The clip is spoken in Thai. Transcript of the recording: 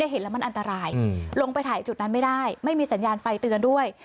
เห็นแล้วมันอันตรายลงไปถ่ายจุดนั้นไม่ได้ไม่มีสัญญาณไฟเตือนด้วย